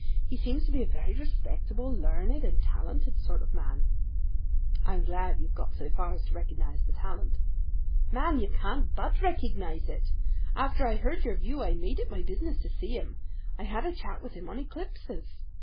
He seems to be a very respectable, learned, and talented sort of man." "I'm glad you've got so far as to recognize the talent." "Man, you can't but recognize it! After I heard your view I made it my business to see him. I had a chat with him on eclipses.